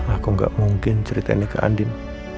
aku nggak mungkin ceritain ke andim